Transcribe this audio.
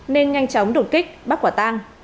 nên nhanh chóng đột kích bắt quả tăng